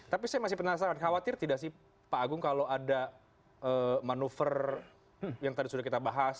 tapi saya masih penasaran khawatir tidak sih pak agung kalau ada manuver yang tadi sudah kita bahas